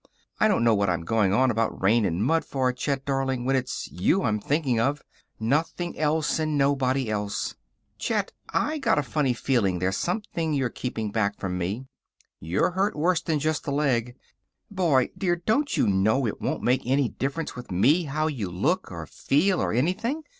I don't know what I'm going on about rain and mud for, Chet darling, when it's you I'm thinking of. Nothing else and nobody else. Chet, I got a funny feeling there's something you're keeping back from me. You're hurt worse than just the leg. Boy, dear, don't you know it won't make any difference with me how you look, or feel, or anything?